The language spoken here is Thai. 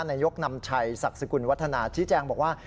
นายกนำชัยศักดิ์สกุลวัฒนาชี้แจงบอกว่า